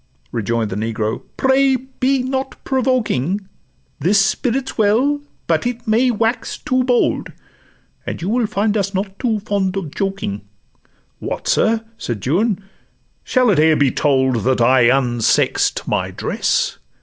Rejoin'd the negro, 'pray be not provoking; This spirit 's well, but it may wax too bold, And you will find us not top fond of joking.' 'What, sir!' said Juan, 'shall it e'er be told That I unsex'd my dress?